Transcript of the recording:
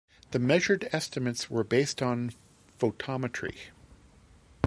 The measured estimates were based on photometry.